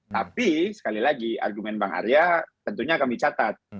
tapi sekali lagi argumen bang arya tentunya kami catat